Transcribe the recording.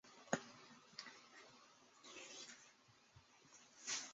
北京西路是南京市鼓楼区的一条东西向干道。